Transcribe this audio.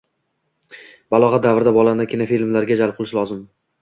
Balog'at davrida bolani kinofilmlarga jalb qilish lozim.